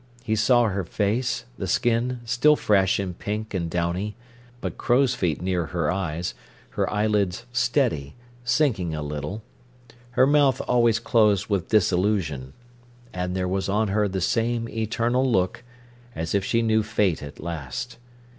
He saw her face, the skin still fresh and pink and downy, but crow's feet near her eyes, her eyelids steady, sinking a little, her mouth always closed with disillusion; and there was on her the same eternal look, as if she knew fate at last.